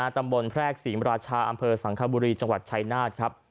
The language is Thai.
ตำบลแพรกศีรราชาอำเภอสังคบุรีจังหวัดชัยนาศ